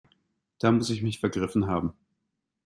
Da muss ich mich vergriffen haben.